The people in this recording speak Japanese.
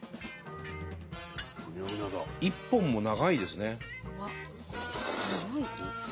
１本も長いですね。